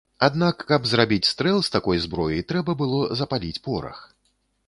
Аднак каб зрабіць стрэл з такой зброі, трэба было запаліць порах.